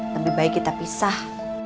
lebih baik kita pisah